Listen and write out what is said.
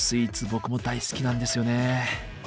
僕も大好きなんですよね。